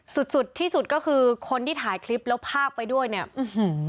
สุดที่สุดก็คือคนที่ถ่ายคลิปแล้วภาพไปด้วยเนี่ย